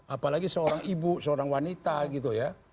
apalagi seorang ibu seorang wanita gitu ya